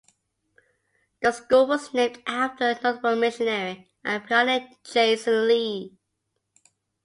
The school was named after the notable missionary and pioneer Jason Lee.